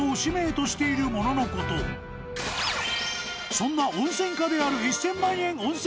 ［そんな温泉家である］